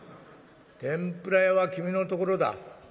天ぷら屋は君のところだ。